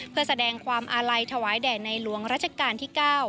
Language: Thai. เพื่อแสดงความอาลัยถวายแด่ในหลวงรัชกาลที่๙